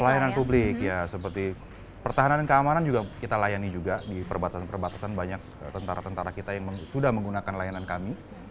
pelayanan publik ya seperti pertahanan dan keamanan juga kita layani juga di perbatasan perbatasan banyak tentara tentara kita yang sudah menggunakan layanan kami